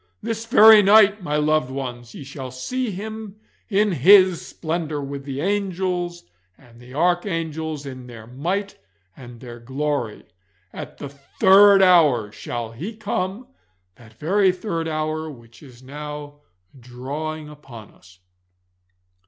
This very night, my loved ones, ye shall see Him in His splendour, with the angels and the archangels in their might and their glory. At the third hour shall He come that very third hour which is now drawing upon us.